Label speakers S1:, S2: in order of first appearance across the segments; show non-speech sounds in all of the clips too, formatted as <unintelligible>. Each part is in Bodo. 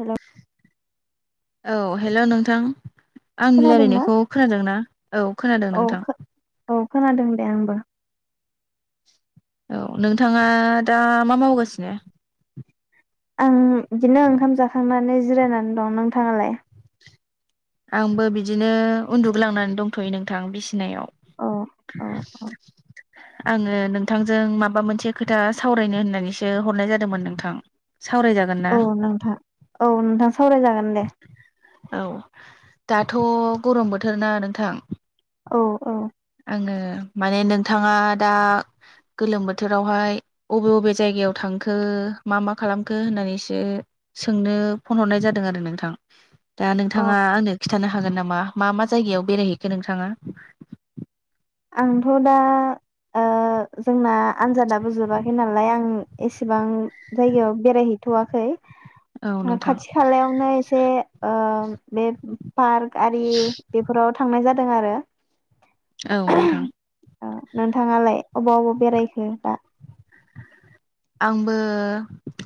S1: हेलौ
S2: औ हेलौ नोंथां आंनि
S1: खोनादोंना
S2: रायलायनायखौ खोनादोंना औ खोनादों
S1: औ
S2: नोंथां
S1: औ खोनादों दे आंबो
S2: औ नोंथाङा दा मा मावगासिनो?
S1: आं बिदिनो ओंखाम जाखांनानै जिरायनानै दं नोंथाङालाय?
S2: आंबो बिदिनो उन्दुग्लांनानै दंथ'यो नोंथां बिसनायाव
S1: अ अ अ
S2: आङो नोंथांजों माबा मोनसे खोथा सावरायनो होननानैसो हरनाय जादोंमोन नोंथां सावरायजागोन ना?
S1: औ नोंथां औ नोंथां सावरायजागोन दे
S2: औ दाथ' गरम बोथोर ना नोंथां
S1: औ औ
S2: आङो माने नोंथाङा दा गोलोम बोथोरावहाय अबे अबे जायगायाव थांखो मा मा खालामखो होननानैसो सोंनो फन हरनाय जादों आरो नोंथां दा नोंथाङा आंनो खि थानो हागोन नामा मा मा जायगायाव बेरायहैखो नोंथाङा?
S1: आंथ' दा ओ जोंना आनजादाबो जोबाखै नालाय आं एसेबां जायगायाव बेरायहैथ'वाखै
S2: औ नोंथां
S1: खाथि खालायावनो एसे ओ बे पार्क गारि बेफोराव थांनाय जाद दों आरो
S2: औ नोंथां
S1: ओ नोंथाङालाय अबाव अबाव बेरायखो दा
S2: आंबो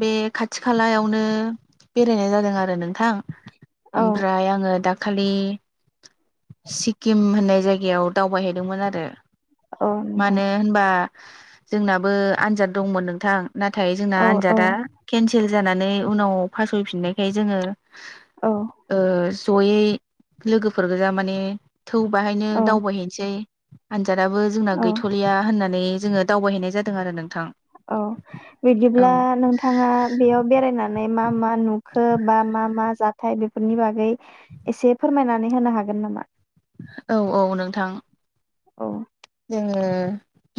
S2: बे खाथि खालायावनो बेरायनाय जादों आरो नोंथां।
S1: औ
S2: ओमफ्राय आङो दा खालि सिक्किम होननाय जायगायाव दावबायहैदोंमोन आरो
S1: औ नोंथां
S2: मानो होनबा जोंनाबो आनजाद दंमोन नोंथां नाथाय जोंना
S1: औ औ
S2: आनजादा केनसेल जानानै उनाव फासयफिननायखाय जोङो
S1: औ
S2: ओ जयै लोगोफोर गोजा माने थौ बाहायनो
S1: औ
S2: दावबायहैनोसै आनजादाबो जोंना
S1: औ
S2: गैथलिया होननानै जोङो दावबायहैनाय जादों आरो नों
S1: औ बिदिब्ला नोंथाङा बेयाव बेरायनानै मा मा नुखो बा मा मा जाख <unintelligible> फाय बेफोरनि बागै एसे फोरमायनानै होनो हागोन नामा?
S2: औ औ नोंथां
S1: औ
S2: जोङो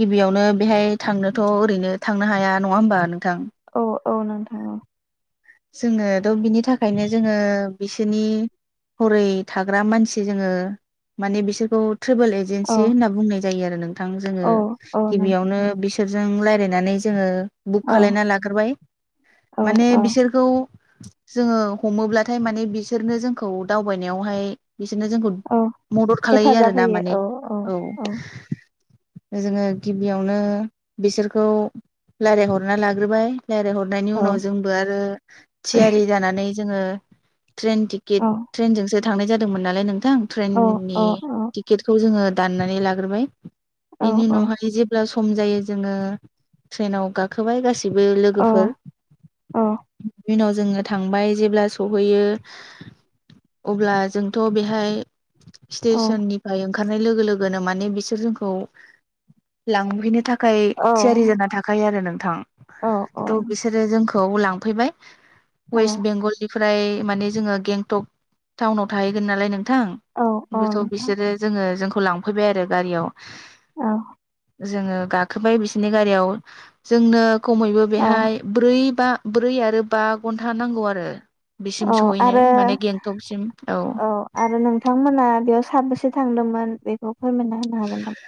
S2: गिबियावनो बेहाय थांनोथ ओरैनो थांनो हाया नङा होमबा नोंथां
S1: अ औ नोंथां औ
S2: जोङोद बिनि थाखायनो जोङो बिसोरनि हरै थाग्रा मानसि जोङो माने बिसोरखौ ट्रेभेल
S1: औ
S2: एजेन्सि होनना बुंनाय जायो आरो नोंथां जोङो
S1: औ औ नोंथां
S2: गिबियावनो बिस बिसोरजों रायज्लायनानै जोङो बुक
S1: औ
S2: खालायना लाग्रोबाय
S1: औ
S2: माने
S1: औ
S2: बिसोर खौ जोङो हमोब्लाथाय माने बिसोरनो जोंखौ दावबायनायावहाय बिसोरनो जोंखौ
S1: औ
S2: मदद खालामो आरो
S1: हेफाजाब
S2: ना
S1: होयो
S2: माने
S1: औ
S2: औ जोङो गिबियावनो बिसोरखौ रायजलायहरना लाग्रोबाय रायज्लायहरनायनि
S1: औ
S2: उनाव जोंबो आरो थियारि जानानैै जोङो ट्रेन टिकेट
S1: औ
S2: ट्रेनजोंसो थांनाय जादोंमोन नालाय नों थां
S1: औ औ
S2: ट्रेननि टिकेटखौ जोङो दाननानै लाग्रोबाय
S1: औ
S2: बेनि
S1: औ
S2: उनावहाय जेब्ला स सम जायो जोंङो ट्रेनाव गाखोबाय गासि बो
S1: औ
S2: लोगोफोर नि उनाव जोंङो थांबाय जेब्ला सहैयो अब्ला जोंथ' बेहाय
S1: औ
S2: स्टेसननिफाय ओं खारनाय लोगो लोगोनो माने बिसोर जोंखौ लांहैनो था खाय थियारि जाना थाखायो आरो नों थां
S1: औ
S2: थ' बिसोरो जोंखौ लां फैबाय वेस्ट बेंगलनि फ्राय माने जोंङो गेंथक टाउनाव थाहैगोन नालाय नों थां
S1: औ
S2: ओमफायथ'
S1: नोंथां
S2: बिसोरो जोंङो जों खौ लांफैबाय आरो गारियाव।
S1: औ
S2: जोंङो गाखोबाय बि सिनि गारियाव जोंनो खमैबो
S1: औ
S2: बेहाय ब्रै बा ब्रै आरो बा घन्टा नांगौ आरो बिसिम
S1: औ
S2: सहैनो
S1: आरो
S2: माने गेंटकसिम
S1: औ आरो नोंथांमोना बेयाव साबेसे थांदोंमोन? बेखौ फोरमायना होनो हागोन नाम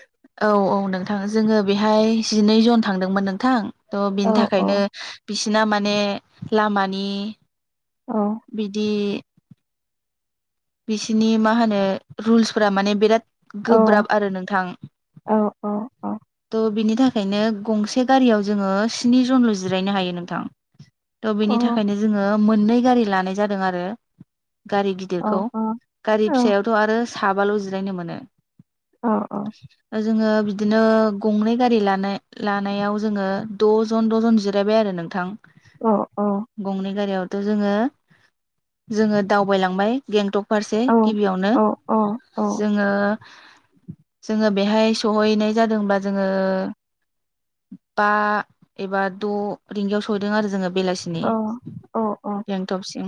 S2: औ औ नोंथां जोंङो बेहाय जिनै जन थांदोंमोन नोंथां। थ'
S1: औ
S2: बिनि
S1: औ
S2: थाखायनो बिस सिना माने लामानि
S1: औ
S2: बिदि बिसिनि मा होनो रुल्सफोरा माने बिराद
S1: औ
S2: गोब्राब आरो नोंथां
S1: औ औ
S2: थ' बिनि था खायनो गंसे गारियाव जोंङो स्नि जनल' जिरायनो हायो नोंथां। थ' बेनि
S1: औ
S2: थाखायनो जोंङो मोननै गारि लानाय जादों आरो गारि
S1: औ
S2: गिदिरखौ गारि
S1: औ
S2: फिसायावथ' आरो साबाल' जिरायनो मोनो।
S1: अ अ।
S2: जोङो बिदिनो गंनै गारि लानाय लानायाव जोङो द'जोन द'जोन जिरायबाय आरो नोंथां।
S1: औ
S2: गंनै गारियाव त' जोङो जोङो दावबाय लांबाय गें फारसे गिबियावनो
S1: औ
S2: जोङो जोङो बेहाय सहैनाय जादोंबा जोङो बा एबा द' रिंगायाव सहैदों आरो जोङो। बेलासिनि गेंटक सिम।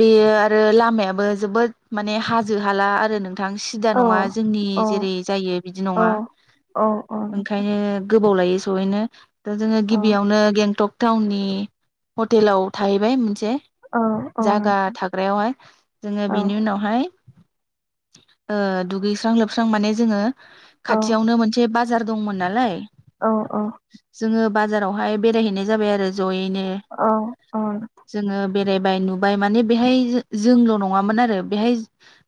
S2: बेयो आरो लामायाबो जोबोद माने हाजो हाला आरो नों थां सिदा नङा जोंनि जेरै जायो बिदि
S1: औ
S2: नङा
S1: औ औ नोंथां
S2: ओंखायनो गोबाव लायो सैहैनो। दा जोङो
S1: औ
S2: गिबियावनो गेंटक टाउननि हटेलाव थाहैबाय मोनसे।
S1: औ औ नोंथां।
S2: हाय जोङो बिनि उनावहाय ओ दुगैस्रां लोबस्रां माने जोङो
S1: औ
S2: खाथियावनो मोनसे बास बाजार दंमोन नालाय।
S1: औ औ।
S2: जोङो बाजारावहाय बेरायहैनाय जाबाय आरो जयै
S1: औ औ।
S2: बेरायबाय नुबाय माने बेहाय जोंल' नङामोन आरो बेहाय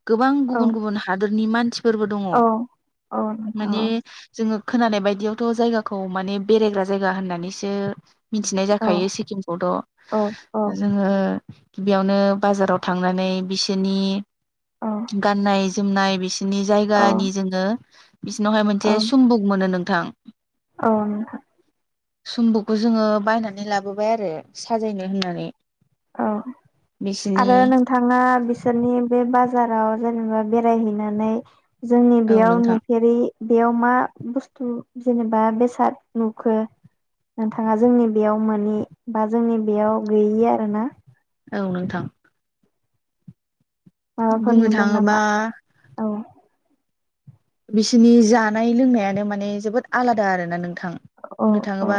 S2: गोबां
S1: औ
S2: गुबुन गुबुन हादोर नि मानसि फोरबो दङ
S1: औ औ नोंथां
S2: माने जोङो खोनानाय बायदियावथ' जायगाखौ माने बेरायग्रा जायगा होननानैसो मिथिनाय
S1: औ
S2: जाखायो सिक्किमखौथ'
S1: औ औ औ औ
S2: जोङो गिबियावनो बाजाराव थांनानै बिसोरनि गाननाय जोमनाय बिसि नि जायगानि जोङो। बिसिनावहाय मोनसे
S1: औ
S2: सुमबुक मोनो नों थां।
S1: औ नोंथां।
S2: सम्बुकखौ जोङो बायनानै लाबोबाय आरो साजायनो होननानै।
S1: औ।
S2: बिसिनि
S1: आरो नोंथाङा बिसोरनि बे बाज बाजाराव जेनेबा बेरायहैनानै जोंनि
S2: औ
S1: बेयाव
S2: नोंथां
S1: नुफेरै बेयाव मा बुस्थु जेनेबा बेसाद नुखो नोंथाङा जोंनि बेयाव मोनि बा जोंनि बेयाव गैयि आ अना।
S2: औ नोंथां।
S1: माबाफोर
S2: बुंनो
S1: नुदों
S2: थाङोबा
S1: नामा? औ
S2: बिसोरनि जानाय लोंनायानो माने जोबोद आलादा आरो ना नों थां
S1: औ
S2: बुंनो
S1: औ
S2: थाङोबा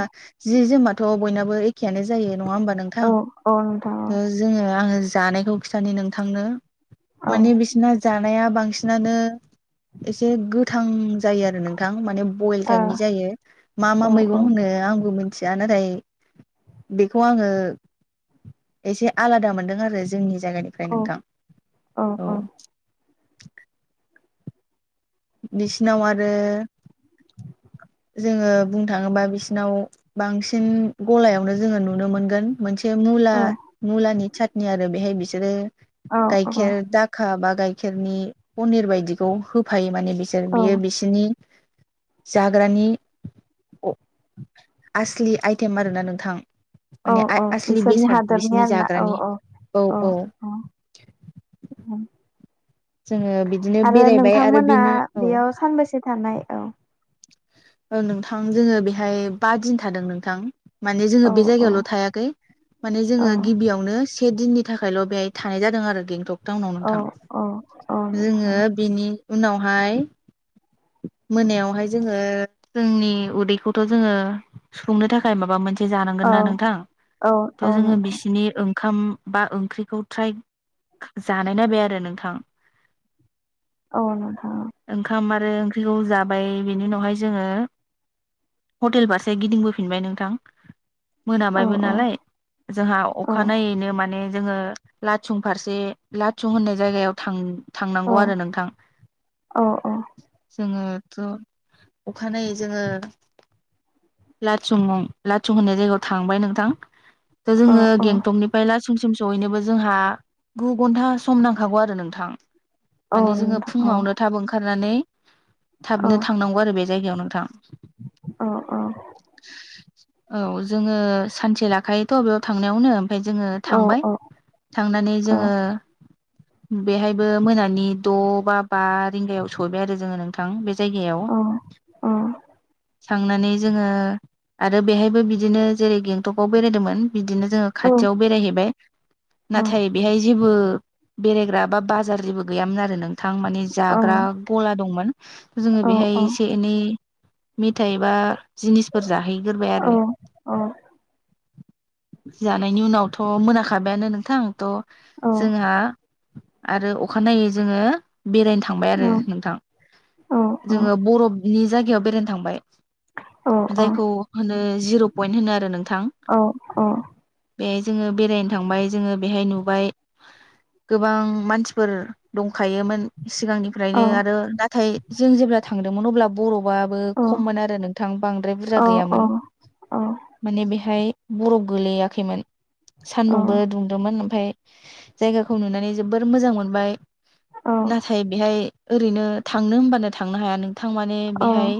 S2: जि जोमाथ थ' बयनाबो एक एखेयानो जायो नङा होमबा नोंथां?
S1: औ औ नोंथां
S2: थ जोङो आङो जानायखौ खिथानि नोंथांनो।
S1: औ
S2: माने बिसिना जानाया बांसिनानो एसे गोथां जायो आरो नोंथां माने भयेल
S1: औ
S2: ताइफनि जायो मा मा
S1: ओ औ
S2: मैगं होनो आंबो मोन थिया नाथाय बेखौ आङो एसे आलादा मोनदों आरो जोंनि जायगानिफ्राय
S1: औ
S2: नोंथां। औ। बिसिनाव आरो जोङो बुंनो थाङोबा बिसिनाव बांसिन गलायावनो जोङो नुनो मोनगोन। मोनसे मुला मुलानि चातनि आरो बेहाय बिसोर जेरै
S1: औ
S2: गाइखेर दाखा बा गाइख खेरनि पनिर बायदिखौ हो फायो मानि बिसोर बियो बिसिनि जाग्रानि अ आसलि आइटेम आरोना नोंथां।
S1: औ
S2: माने
S1: औ
S2: आसलि
S1: बिसोरनि
S2: बेसाद
S1: हादरनि
S2: बिसिनि
S1: आरो ना औ
S2: जाग्रानि
S1: औ औ औ।
S2: जोङो बिदिनो
S1: आरो
S2: बेरायबाय आरो
S1: नोंथांमोना
S2: बिनो औ
S1: बेयाव सानबैसे थानाय? औ
S2: ओ नोंथां जोङो बेहाय बा दिन थादों नोंथां। माने
S1: औ
S2: जोङो बे जायगायावल' थायाखै माने
S1: औ
S2: जोङो गिबियावनो स से दिननि थाखायल' बेहाय थानाय जादों आरो गेंटक टाउनावनो
S1: औ औ
S2: नोंथां
S1: नोंथां
S2: जोङो बिनि उनावहाय मोनायावहाय जोङो जोंनि उदैखौथ' जोङो सुफुंनो थाखाय माबा मोनसे जानांगोन
S1: औ
S2: ना नोंथां
S1: औ औ
S2: थ' जोङो
S1: नोंथां
S2: बिसिनि खाम बा ओंख्रिखौ ट्राइ जानाय नायबाय आरो नोंथां।
S1: औ नोंथां।
S2: ओंखाम आरो ओंख्रिखौ जाबाय बेनि उनावहाय जोङो हटेल फारसे गिदिंबोफिनबाय नोंथां
S1: औ
S2: मोनाबायबो
S1: औ
S2: नालाय जोंहा
S1: औ
S2: अखानायैनो माने जोङो लाथुं फारसे लाथुं होननाय जायगायाव थां
S1: औ
S2: थांनांगौ आरो नोंथां।
S1: औ
S2: जोङो थ' अखानायै जोङो लाथुम लाथुम होननाय जायगायाव थांबाय नोंथां।
S1: औ
S2: जोङो
S1: औ
S2: गेंटंनिफ्राय लासिमसिम जयनोबो जोंहा गु घन्टा सम नांखागौ आरो नोंथां।
S1: औ नोंथां औ
S2: माने
S1: औ
S2: जोङो
S1: औ
S2: फुङावनो थाब ओंखारनानै थाबनो थांनांगौ आरो बे जायगायाव नोंथां। औ जोङो सानसे लाखायोथ' बेयाव थांनायावनो। जोङो थांबाय थांनानै जोङो बेहायबो मोनानि द' बा बा रिंगायाव सहैबाय आरो जोङो नों थां बे जायगायाव
S1: अ।
S2: थांनानै जोङो आरो बेहायबो बिदिनो जेरै गेंटकआव बेरायदोंमोन। बिदिनो जोङो खाथियाव बेरायहैबाय। नाथाय बेहाय जेबो बेरायग्रा बा बाजार जेबो गैयामोन आरो नों थां माने जाग्रा गला दंमोन जोङो बेहाय एसे नि मिथाइबा जिनिसफोर जाहैग्रोबाय आरो। जानायनि उनावथ' मोनाखाबायानो नोंथां त' जोंहा आरो अखानायै जोङो बेरायनो थांबाय आरो नोंथां जोङो बरफ इनि जायगायाव बेरायनो थांबाय। जायखौ होनो जिर' पयन्ट होनो आरो नों
S1: औ औ
S2: बेहाय जोङो बेरायनो थांबाय जोङो बेहाय नुबाय गोबां मानसिफोर दंखायोमोन। सिगांनिफ्रायनो आरो नाथाय जों जेब्ला था थांदोंमोन अब्ला बरफ बआबो खममोन आरो नोंथां बांद्राय बुरजा गैयामोन माने बेहाय बरफ गोलैयाखैमोन। सान्दुंबो दुंदोमोन फाय जायगाखौ नुनानै जोबोर मोजां मोनबाय। नाथाय बेहाय ओरैनो थांनो होमबानो थांनो हाया नोंथां मा बेहाय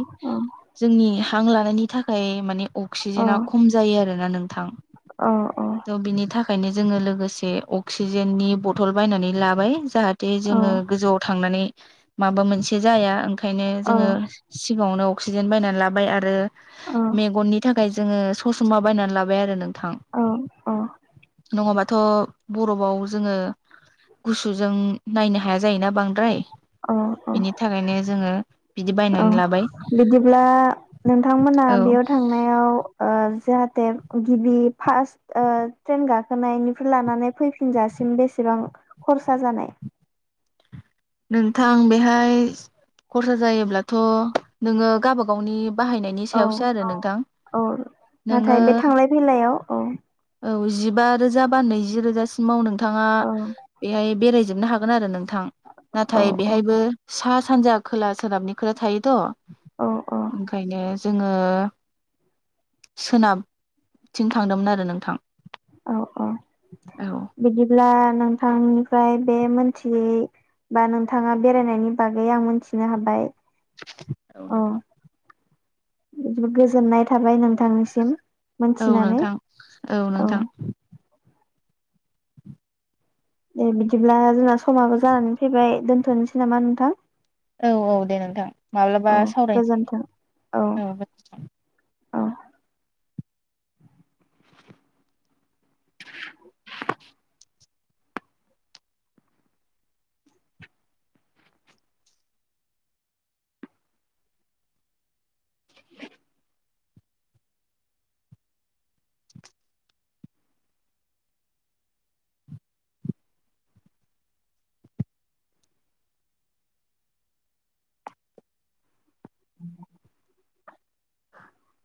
S2: जोंनि हां लानायनि थाखाय माने अक्सिजेना खम जायो आरोना नोंथां त' बिनि थाखा खायनो जोङो लोगोसे अक्सिजेननि बथल बायनानै लाबाय जाहात ते
S1: औ
S2: जोङो गोजौआव थांनानै माबा मोनसे जाया खायनो
S1: औ औ
S2: जोङो सिगाङावनो अक्सिजेन बायनानै लाबाय आरो
S1: औ
S2: मेगननि थाखाय जोङो सस'मा बायनानै लाबाय आरो नों
S1: औ औ।
S2: नङाबाथ' बरफाव जोङो गुसुजों नायनो हाया जायोना बांद्राय
S1: औ औ
S2: बिनि थाखायनो जोङो बिदि
S1: औ
S2: बायनानै लाबाय
S1: बिदिब्ला नोंथांमोना
S2: औ
S1: बेयाव थांनायाव ओ जाहाथे गिबि फार्स्ट ओ ट्रेन गाखोनायनिफ्राय लानानै फैफिनजासिम बेसेबां खरसा जानाय?
S2: नोंथां बेहाय खरसा जायोब्लाथ नोङो गावबागावनि
S1: औ औ
S2: नोङो
S1: नाथाय बे थांलाय फैलायाव औ
S2: औ जिबा रोजा बा नैजि रोजासिम मावनांगो नोंथाङा
S1: औ
S2: बेहाय बेरायजोबनो हागोन आरो नोंथां
S1: औ
S2: नाथाय बेहायबो सा सानजा खोला सोनाबनि खोथा थायो। थ'
S1: औ औ
S2: ओंखायनो जोङो सोनाबथिं थांदोंमोन आरो नोंथां।
S1: औ अ
S2: औ
S1: बिदिब्ला नोंथांनिफ्राय बे मोनथियै बा नोंथाङा बेरायनायनि बागै आं मोनथिनो हाबाय।
S2: औ
S1: अ
S2: नोंथां
S1: गोजोननाय थाबाय नोंथांनिसिम
S2: औ
S1: मोनथिनानै
S2: नोंथां औ नोंथां
S1: दे बिदिब्ला जोंना समाबो जानानै फैबाय दोनथनोसै नामा नोंथां।
S2: औ औ दे नोंथां माब्लाबा
S1: औ
S2: सावरायनोसै
S1: गोजोन्थों औ
S2: औै।
S1: औ <inaudible>